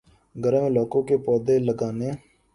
گرم علاقوں کے پودے لگانے